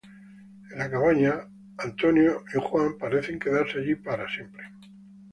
En la cabaña, Burns y Homer parecen quedarse allí por siempre.